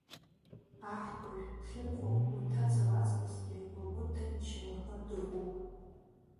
Аҳкәажә Хьырхәыхә лҭаца лаҵкысгьы лгәы ҭынчым уҳәо дыҟоуп.